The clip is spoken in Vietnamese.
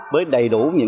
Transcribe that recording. với đầy đủ